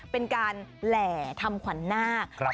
เป็นการแหล่ทำขวัญนาค